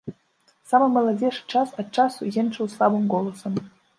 Самы маладзейшы час ад часу енчыў слабым голасам.